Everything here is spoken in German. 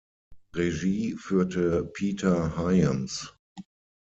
Regie führte Peter Hyams.